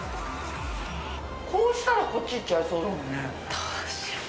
こうしたらこっちいっちゃいそうだもんね。